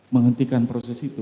menghentikan proses itu